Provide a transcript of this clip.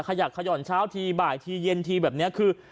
ขยักขย่อนเช้าทีบ่ายทีเย็นทีแบบนี้คือ